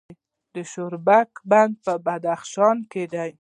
د شورابک بند په بدخشان کې دی